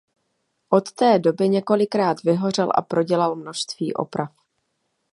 Od té doby několikrát vyhořel a prodělal množství oprav.